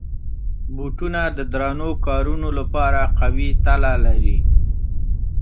بوټونه د درنو کارونو لپاره قوي تله لري.